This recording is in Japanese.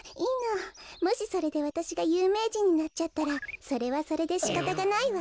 もしそれでわたしがゆうめいじんになっちゃったらそれはそれでしかたがないわ。